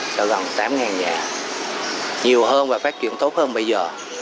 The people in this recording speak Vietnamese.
cho gần tám nhà nhiều hơn và phát triển tốt hơn bây giờ